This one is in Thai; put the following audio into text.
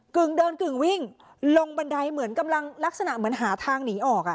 กึ่งเดินกึ่งวิ่งลงบันไดเหมือนกำลังลักษณะเหมือนหาทางหนีออกอ่ะ